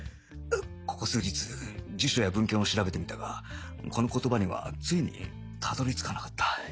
ここ数日辞書や文献を調べてみたがこの言葉にはついにたどり着かなかった